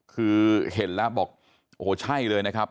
คือเห็นแล้วบอกโอ้โหใช่เลยนะครับ